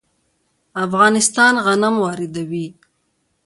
افغانستان غنم واردوي.